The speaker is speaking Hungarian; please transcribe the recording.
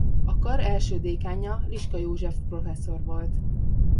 A kar első dékánja Liska József professzor volt.